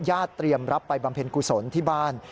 เตรียมรับไปบำเพ็ญกุศลที่บ้าน